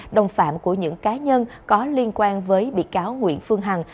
đồng phạm của những cá nhân có liên quan với bị cáo nguyễn phương hằng